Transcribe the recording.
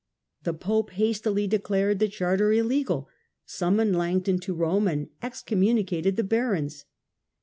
The pope hastily declared the charter illegal, summoned Langton to Rome, and excommunicated the barons.